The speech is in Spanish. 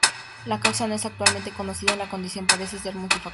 La causa no es actualmente conocida, y la condición parece ser multifactorial.